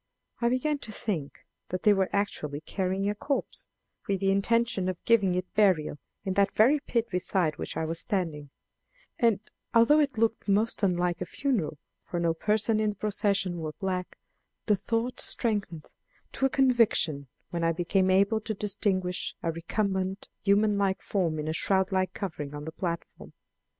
I began to think that they were actually carrying a corpse, with the intention of giving it burial in that very pit beside which I was standing; and, although it looked most unlike a funeral, for no person in the procession wore black, the thought strengthened to a conviction when I became able to distinguish a recumbent, human like form in a shroud like covering on the platform.